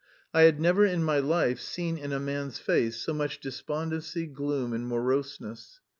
I had never in my life seen in a man's face so much despondency, gloom, and moroseness.